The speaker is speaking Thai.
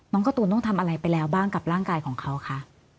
การ์ตูนต้องทำอะไรไปแล้วบ้างกับร่างกายของเขาคะ